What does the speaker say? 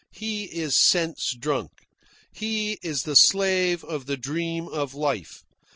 "He is sense drunk. He is the slave of the dream of life.